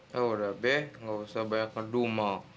ya udah be nggak usah banyak ngedumel